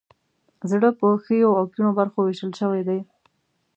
زړه په ښیو او کیڼو برخو ویشل شوی دی.